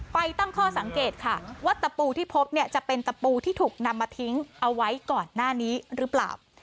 ตั้งข้อสังเกตค่ะว่าตะปูที่พบเนี่ยจะเป็นตะปูที่ถูกนำมาทิ้งเอาไว้ก่อนหน้านี้หรือเปล่า